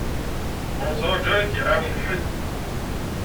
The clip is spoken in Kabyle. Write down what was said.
Ur ttraju ara ad k-iɛawen ḥedd.